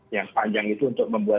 yang panjang itu untuk membuat